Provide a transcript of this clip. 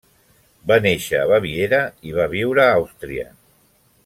Va néixer a Baviera i va viure a Àustria.